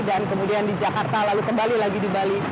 dan kemudian di jakarta lalu kembali lagi di bali